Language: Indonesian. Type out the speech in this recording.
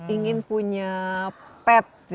ingin punya pet